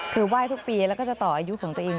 คือไหว้ทุกปีแล้วก็จะต่ออายุของตัวเอง